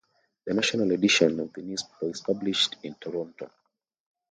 The national edition of the newspaper is published in Toronto.